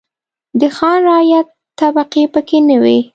د خان-رعیت طبقې پکې نه وې.